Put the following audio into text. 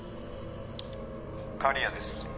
「刈谷です。